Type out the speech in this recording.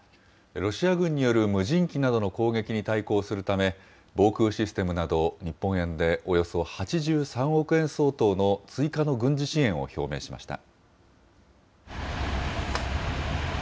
ロシア軍による無人機などの攻撃に対抗するため、防空システムなど、日本円でおよそ８３億円相当の追加の軍事支援を表明しました。